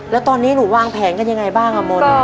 แล้วตอนนี้หนูวางแผนกันยังไงบ้างอ่ะมนต์